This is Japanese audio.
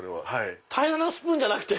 平らなスプーンじゃなくて？